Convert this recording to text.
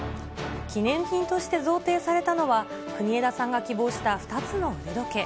記念品として贈呈されたのは、国枝さんが希望した２つの腕時計。